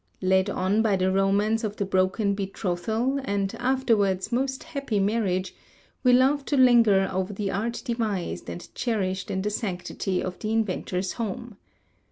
Led on by the romance of the broken betrothal, and afterwards most happy marriage, we love to linger over the art devised and cherished in the sanctity of the inventor's home.